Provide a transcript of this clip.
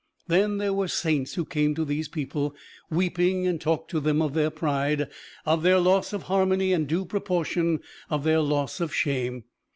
Then there were saints who came to these people, weeping, and talked to them of their pride, of their loss of harmony and due proportion, of their loss of shame.